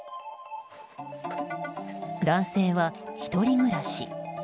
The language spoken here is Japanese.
男性は１人暮らし。